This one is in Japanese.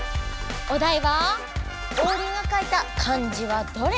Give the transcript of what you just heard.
おだいは「オウリンが書いた漢字はどれ？」。